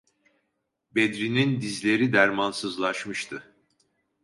Bedri'nin dizleri dermansızlaşmıştı.